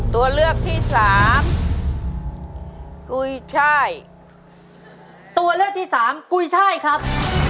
ตัวเลือกที่สามกุยช่ายตัวเลือกที่สามกุยช่ายครับ